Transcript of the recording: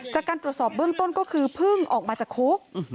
จากการตรวจสอบเบื้องต้นก็คือเพิ่งออกมาจากคุก